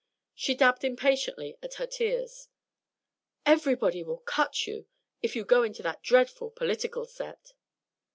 She dabbed impatiently at her tears. "Everybody will cut you if you go into that dreadful political set."